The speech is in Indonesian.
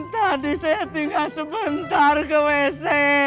tadi saya tinggal sebentar ke wc